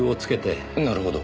なるほど。